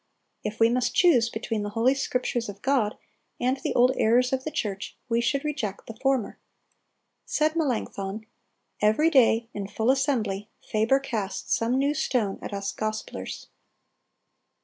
If we must choose between the Holy Scriptures of God and the old errors of the church, we should reject the former." Said Melanchthon, "Every day, in full assembly, Faber casts some new stone at us Gospelers."